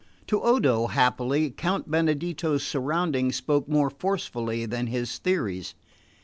To Odo, happily, Count Benedetto's surroundings spoke more forcibly than his theories.